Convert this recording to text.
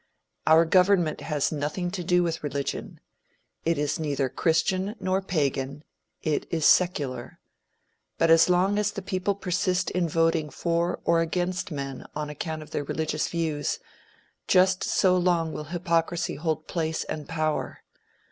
Our government has nothing to do with religion. It is neither christian nor pagan; it is secular. But as long as the people persist in voting for or against men on account of their religious views, just so long will hypocrisy hold place and power.